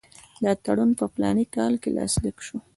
دا تړون په فلاني کال کې لاسلیک شو.